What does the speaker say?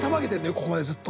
ここまでずっと。